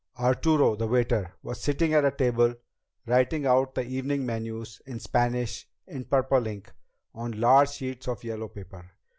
Arturo, the waiter, was sitting at a table writing out the evening menus in Spanish, in purple ink, on large sheets of yellow paper.